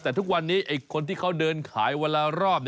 แต่ทุกวันนี้คนที่เขาเดินขายวันละรอบ